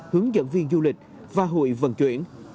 hướng dẫn viên du lịch và hội vận chuyển